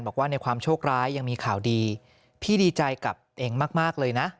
บอกว่าในความโชคร้ายยังมีข่าวดีพี่ดีใจกับเองมากเลยนะ